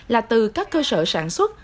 là từ các cơ sở sản xuất